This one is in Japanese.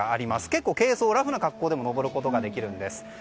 結構、軽装、ラフな格好でも登ることができるんです。